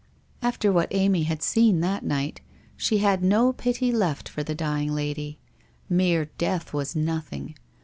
After what Amy had seen that night, she had no pity left for the dying lady. Mere death was nothing.